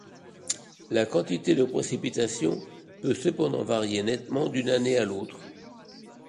La quantité de précipitations peut cependant varier nettement d’une année à l’autre.